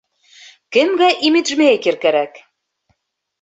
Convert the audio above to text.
Кемгә имиджмейкер кәрәк?